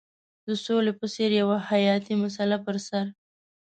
د سولې په څېر یوه حیاتي مسله پر سر.